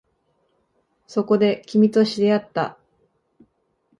そこで、君と知り合った